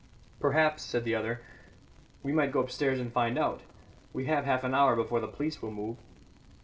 "Perhaps," said the other, "we might go upstairs and find out. We have half an hour before the police will move."